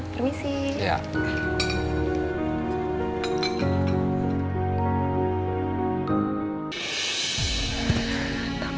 terima kasih ya mbak